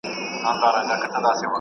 ملتونه کله د پناه غوښتونکو حقونه پیژني؟